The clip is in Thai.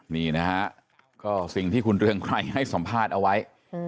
นี่นะฮะก็สิ่งที่คุณเรืองไกรให้สัมภาษณ์เอาไว้